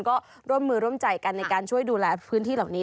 ก็ร่วมมือร่วมใจกันในการช่วยดูแลพื้นที่เหล่านี้